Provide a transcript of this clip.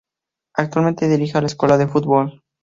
Actualmente dirige a Escuela de Fútbol.